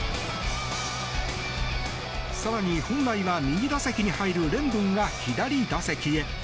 更に、本来は右打席に入るレンドンが左打席へ。